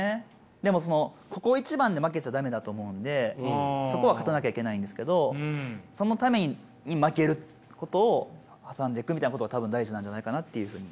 でもそのここ一番で負けちゃ駄目だと思うんでそこは勝たなきゃいけないんですけどそのために負けることを挟んでいくみたいなことが多分大事なんじゃないかなっていうふうに。